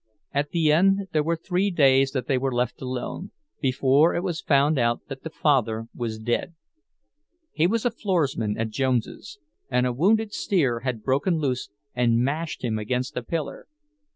At the end there were three days that they were alone, before it was found out that the father was dead. He was a "floorsman" at Jones's, and a wounded steer had broken loose and mashed him against a pillar.